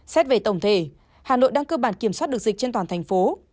xét về tổng thể hà nội đang cơ bản kiểm soát được dịch trên toàn thành phố